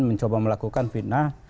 mencoba melakukan fitnah